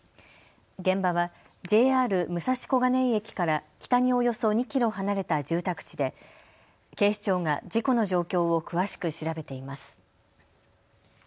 現場はＪＲ武蔵小金井駅から北におよそ２キロ離れた住宅地で警視庁が事故の状況を詳しく調べています。